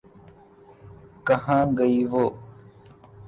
کہاں گئے وہ؟